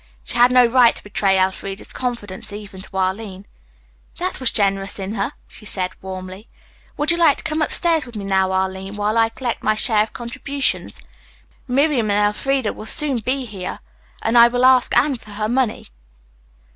She had no right to betray Elfreda's confidence even to Arline. "That was generous in her," she said warmly. "Would you like to come upstairs with me now, Arline, while I collect my share of the contributions? Miriam and Elfreda will soon be here and I will ask Anne for her money."